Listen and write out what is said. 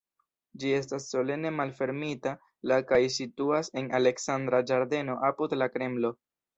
Ĝi estas solene malfermita la kaj situas en Aleksandra ĝardeno apud la Kremlo.